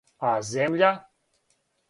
А земља